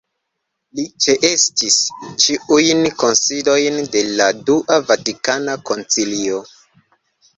Li ĉeestis ĉiujn kunsidojn de la dua Vatikana Koncilio.